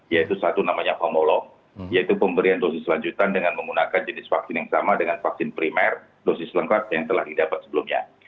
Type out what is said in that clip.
yaitu satu namanya homolog yaitu pemberian dosis lanjutan dengan menggunakan jenis vaksin yang sama dengan vaksin primer dosis lengkap yang telah didapat sebelumnya